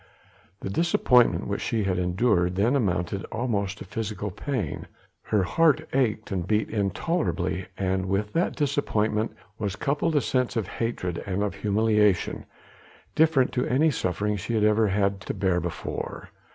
The disappointment which she had endured then amounted almost to physical pain; her heart ached and beat intolerably and with that disappointment was coupled a sense of hatred and of humiliation, different to any suffering she had ever had to bear before.